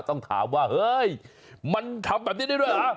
ต้องถามว่าเฮ้ยมันทำแบบนี้ได้ด้วยเหรอ